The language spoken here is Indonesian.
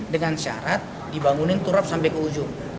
dengan syarat dibangunin turap sampai ke ujung